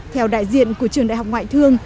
theo đại diện của trường đại học ngoại thương